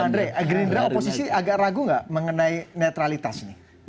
pak andre agar agar oposisi agak ragu nggak mengenai netralitas nih